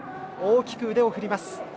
大きく腕を振ります。